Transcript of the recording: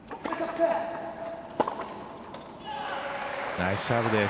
ナイスサーブです。